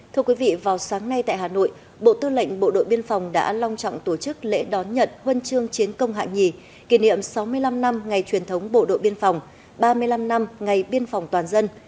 thưa quý vị vào sáng nay tại hà nội bộ tư lệnh bộ đội biên phòng đã long trọng tổ chức lễ đón nhận huân chương chiến công hạng nhì kỷ niệm sáu mươi năm năm ngày truyền thống bộ đội biên phòng ba mươi năm năm ngày biên phòng toàn dân